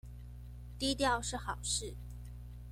低調是好事